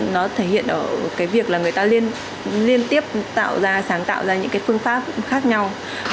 nó thể hiện ở cái việc là người ta liên tiếp tạo ra sáng tạo ra những cái phương pháp khác nhau